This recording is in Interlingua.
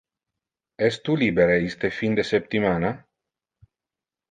Es tu libere iste fin de septimana?